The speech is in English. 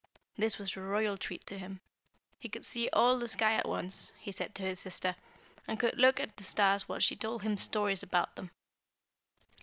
This was a royal treat to him. He could see all the sky at once, he said to his sister, and could look at the stars while she told him stories about them.